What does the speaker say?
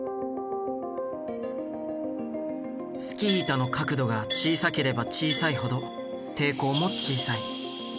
スキー板の角度が小さければ小さいほど抵抗も小さい。